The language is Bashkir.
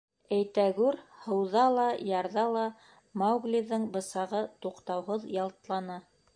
Әйтәгүр, һыуҙа ла, ярҙа ла Мауглиҙың бысағы туҡтауһыҙ ялтланы.